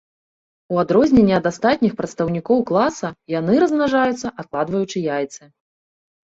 У адрозненне ад астатніх прадстаўнікоў класа яны размнажаюцца, адкладваючы яйцы.